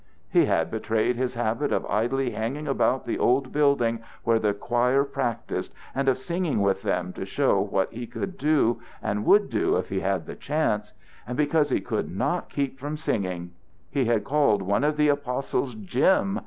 He had betrayed his habit of idly hanging about the old building where the choir practised and of singing with them to show what he could do and would do if he had the chance; and because he could not keep from singing. He had called one of the Apostles Jim!